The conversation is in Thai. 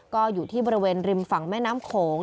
ก็อยู่ที่บริเวณริมฝั่งแม่น้ำโขง